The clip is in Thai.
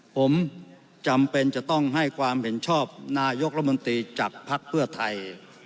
ผมจำเป็นจะต้องให้ความเห็นชอบนายกรัฐมนตรีจากภักดิ์เพื่อไทย